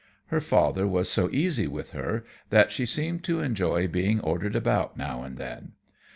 Her father was so easy with her that she seemed to enjoy being ordered about now and then.